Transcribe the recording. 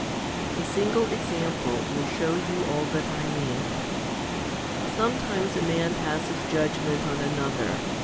A single example will shew you all that I mean. Some times a man passes judgment on another.